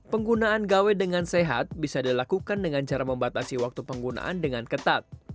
penggunaan gawai dengan sehat bisa dilakukan dengan cara membatasi waktu penggunaan dengan ketat